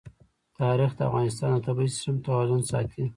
تاریخ د افغانستان د طبعي سیسټم توازن ساتي.